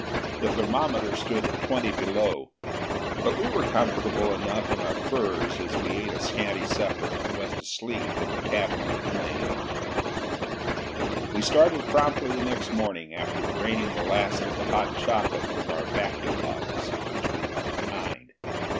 The thermometer stood at twenty below, but we were comfortable enough in our furs as we ate a scanty supper and went to sleep in the cabin of the plane. We started promptly the next morning, after draining the last of the hot chocolate from our vacuum bottles, which we left behind.